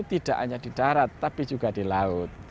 tidak hanya di darat tapi juga di laut